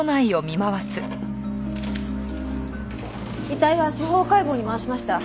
遺体は司法解剖に回しました。